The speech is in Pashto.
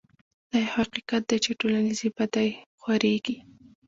دا يو حقيقت دی چې ټولنيزې بدۍ خورېږي.